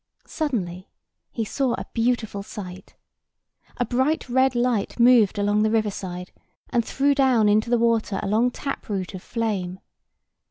Suddenly, he saw a beautiful sight. A bright red light moved along the river side, and threw down into the water a long tap root of flame.